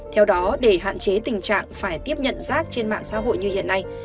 theo đó để hạn chế tình trạng phải tiếp nhận rác trên mạng xã hội như hiện nay